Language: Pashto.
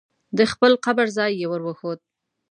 د خپل قبر ځای یې ور وښود.